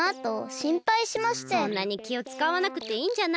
そんなにきをつかわなくていいんじゃない？